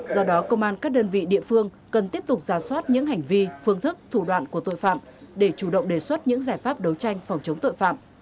do đó công an các đơn vị địa phương cần tiếp tục ra soát những hành vi phương thức thủ đoạn của tội phạm để chủ động đề xuất những giải pháp đấu tranh phòng chống tội phạm